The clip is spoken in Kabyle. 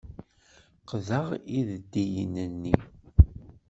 Qqdeɣ ideddiyen-nni.